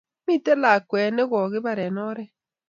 Miten lakwet ne kokipar en oret